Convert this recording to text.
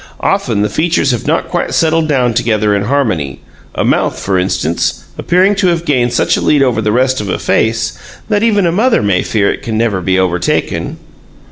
Often the features have not quite settled down together in harmony, a mouth, for instance, appearing to have gained such a lead over the rest of a face, that even a mother may fear it can never be overtaken.